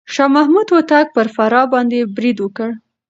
شاه محمود هوتک پر فراه باندې بريد وکړ.